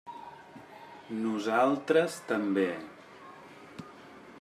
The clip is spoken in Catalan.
Nosaltres també.